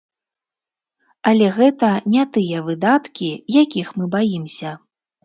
Але гэта не тыя выдаткі, якіх мы баімся.